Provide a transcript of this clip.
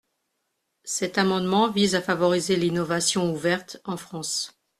Cet amendement vise à favoriser l’innovation ouverte en France.